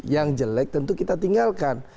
yang jelek tentu kita tinggalkan